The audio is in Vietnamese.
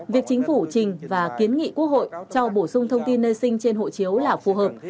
việc chính phủ trình và kiến nghị quốc hội cho bổ sung thông tin nơi sinh trên hộ chiếu là phù hợp